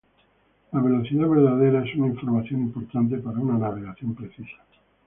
La velocidad verdadera es una información importante para una navegación precisa.